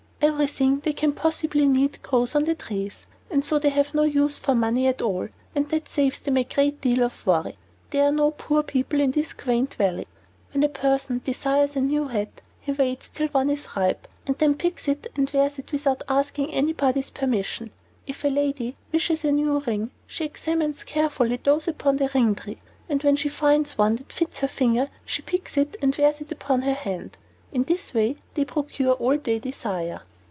Everything they can possibly need grows on the trees, so they have no use for money at all, and that saves them a deal of worry. There are no poor people in this quaint Valley. When a person desires a new hat he waits till one is ripe, and then picks it and wears it without asking anybody's permission. If a lady wishes a new ring, she examines carefully those upon the ring tree, and when she finds one that fits her finger she picks it and wears it upon her hand. In this way they procure all they desire.